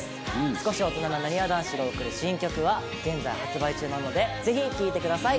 少し大人ななにわ男子が贈る新曲は現在発売中なのでぜひ、聴いてください！